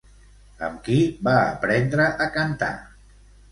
Amb qui va aprendre a cantar?